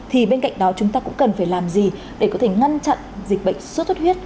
thì bên cạnh đó chúng ta cũng cần phải làm gì để có thể ngăn chặn dịch bệnh sốt xuất huyết